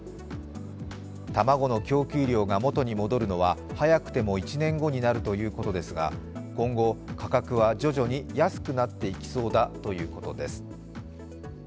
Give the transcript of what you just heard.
卵の供給量が元に戻るのは早くても１年後になるということですが今後、価格は徐々に安くなっていきそうだということです。